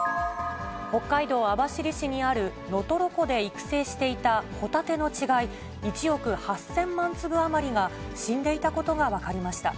北海道網走市にある能取湖で育成していたホタテの稚貝１億８０００万粒余りが死んでいたことが分かりました。